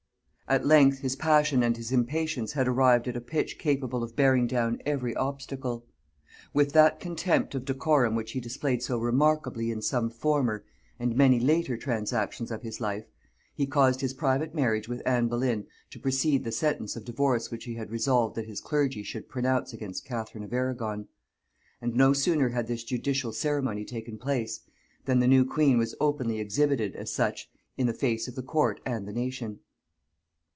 At length his passion and his impatience had arrived at a pitch capable of bearing down every obstacle. With that contempt of decorum which he displayed so remarkably in some former, and many later transactions of his life, he caused his private marriage with Anne Boleyn to precede the sentence of divorce which he had resolved that his clergy should pronounce against Catherine of Arragon; and no sooner had this judicial ceremony taken place, than the new queen was openly exhibited as such in the face of the court and the nation.